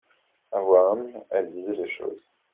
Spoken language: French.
A voix humble, elle disait les choses.